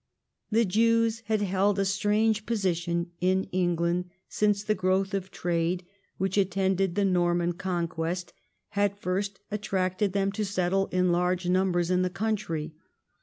The Jews had held a strange position in England since the growth of trade, which attended the Norman Conquest, had first attracted them to settle in large numbers in the country.